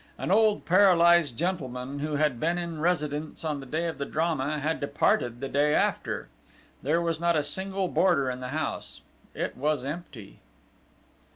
An old paralysed gentleman, who had been in residence on the day of the drama, had departed the day after. There was not a single boarder in the house: it was empty.